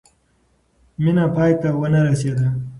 مینه یې پای ته ونه رسېده.